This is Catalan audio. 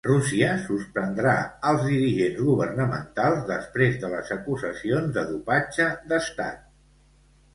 Rússia suspendrà alts dirigents governamentals després de les acusacions de dopatge d'estat.